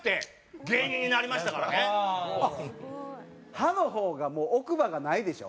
歯の方がもう奥歯がないでしょ？